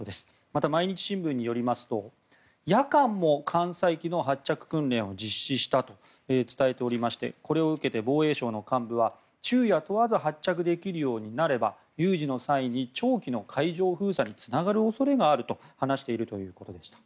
また毎日新聞によりますと夜間も艦載機の発着訓練を実施したと伝えておりましてこれを受けて防衛省の幹部は昼夜問わず発着できるようになれば有事の際に長期の海上封鎖につながる恐れがあると話しているということでした。